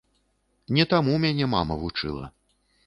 Не таму мяне мама вучыла.